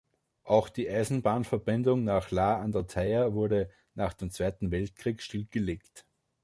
Auch die Eisenbahnverbindung nach Laa an der Thaya wurde nach dem Zweiten Weltkrieg stillgelegt.